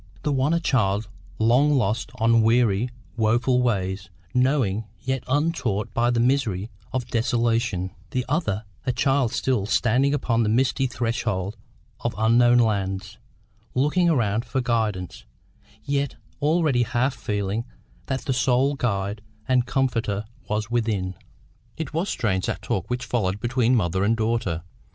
The one a child long lost on weary, woeful ways, knowing, yet untaught by, the misery of desolation; the other a child still standing upon the misty threshold of unknown lands, looking around for guidance, yet already half feeling that the sole guide and comforter was within. It was strange that talk which followed between mother and daughter.